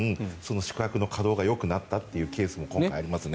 宿泊の稼働がよくなったケースも今回ありますね。